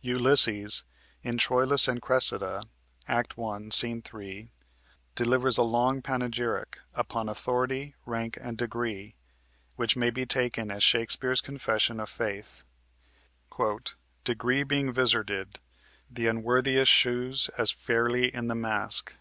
Ulysses, in "Troilus and Cressida" (Act 1, Sc. 3), delivers a long panegyric upon authority, rank, and degree, which may be taken as Shakespeare's confession of faith: "Degree being vizarded, Th' unworthiest shews as fairly in the mask.